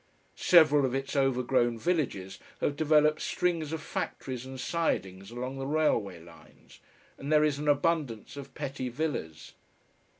Several of its overgrown villages have developed strings of factories and sidings along the railway lines, and there is an abundance of petty villas.